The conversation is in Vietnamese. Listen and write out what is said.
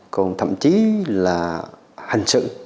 còn thậm chí là hành sự